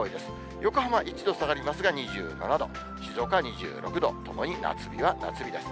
横浜１度下がりますが２６度、静岡は２６度、ともに夏日です。